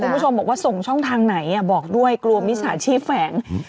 คุณผู้ชมบอกว่าส่งช่องทางไหนบอกด้วยกลัวมิจฉาชีพแฝง